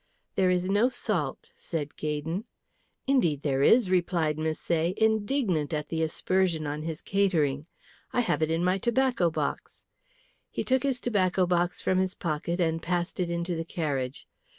"There is no salt," said Gaydon. "Indeed there is," replied Misset, indignant at the aspersion on his catering. "I have it in my tobacco box." He took his tobacco box from his pocket and passed it into the carriage.